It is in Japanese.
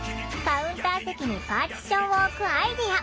カウンター席にパーティションを置くアイデア。